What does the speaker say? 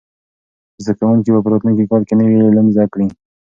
زده کوونکي به په راتلونکي کال کې نوي علوم زده کوي.